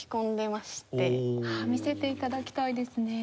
見せて頂きたいですねえ。